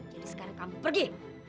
jadi sekarang kamu pergi